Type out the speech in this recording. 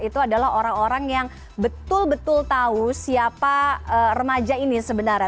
itu adalah orang orang yang betul betul tahu siapa remaja ini sebenarnya